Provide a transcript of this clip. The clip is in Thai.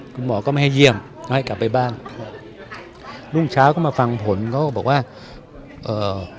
คุณหมอก็ไม่ให้เยี่ยมก็ให้กลับไปบ้านรุ่งเช้าก็มาฟังผลเขาก็บอกว่าเอ่อ